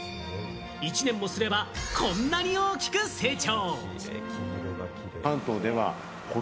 １年もすればこんなに大きく成長。